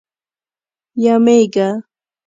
یمېږه.